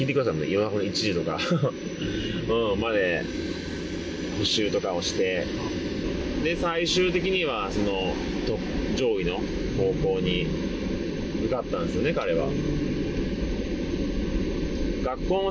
夜中の１時とかまで復習とかをして最終的にはその上位の高校に受かったんですよね彼は。